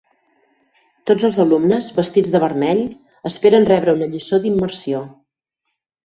Tots els alumnes, vestits de vermell, esperen rebre una lliçó d'immersió.